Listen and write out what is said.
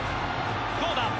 どうだ？